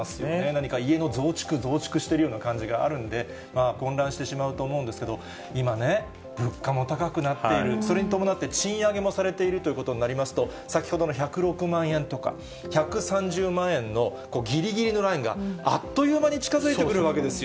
何か家の増築、増築しているような感じがあるので、混乱してしまうと思うんですけれども、今ね、物価も高くなっている、それに伴って賃上げもされているということになりますと、先ほどの１０６万円とか、１３０万円のぎりぎりのラインが、あっという間に近づいてくるわけですよ。